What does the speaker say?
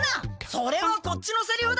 それはこっちのセリフだ！